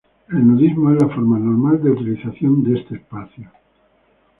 El nudismo es la forma normal de utilización de este espacio.